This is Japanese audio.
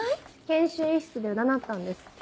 研修医室で占ったんです。